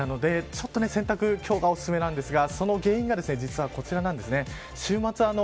なので、洗濯今日がお勧めなんですがその原因が実はこちらなんです。